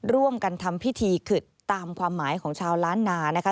ร่วมกันทำพิธีขึดตามความหมายของชาวล้านนานะคะ